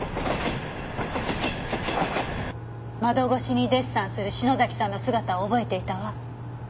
窓越しにデッサンする篠崎さんの姿を覚えていたわ。